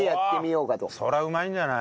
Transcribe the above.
それはうまいんじゃない？